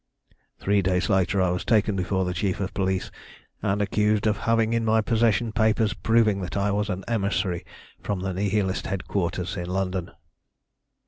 Three days later I was taken before the chief of police, and accused of having in my possession papers proving that I was an emissary from the Nihilist headquarters in London.